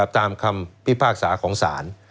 ตามคำพิพากษาของศาล